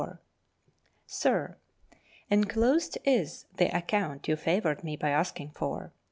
Enclosed is the account you favoured me by asking for.